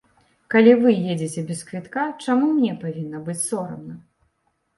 Калі вы едзеце без квітка, чаму мне павінна быць сорамна?